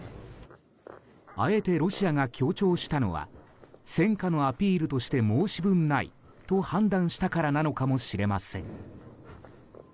あえてロシアが強調したのは戦果のアピールとして申し分のないと判断したからなのかもしれません。